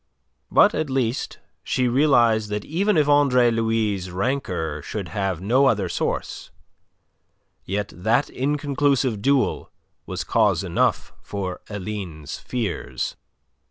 But, at least, she realized that even if Andre Louis' rancour should have no other source, yet that inconclusive duel was cause enough for Aline's fears.